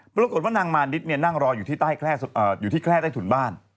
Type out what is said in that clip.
ปรากฏว่านางมานิดนั่งรออยู่ที่แคล่ใต้ถุนบ้าน